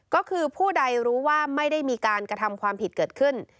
ก็คือผู้ใดรู้ว่าไม่ได้มีการกระทำความผิดเกิดขึ้น